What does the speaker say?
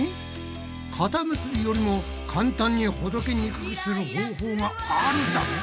かた結びよりも簡単にほどけにくくする方法があるだって？